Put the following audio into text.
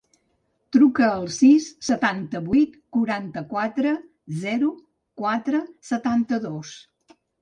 Truca al sis, setanta-vuit, quaranta-quatre, zero, quatre, setanta-dos.